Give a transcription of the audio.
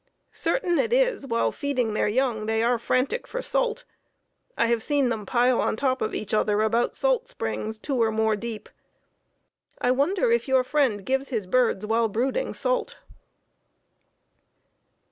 Certain it is, while feeding their young they are frantic for salt. I have seen them pile on top of each other, about salt springs, two or more deep. I wonder if your friend gives his birds, while brooding, salt.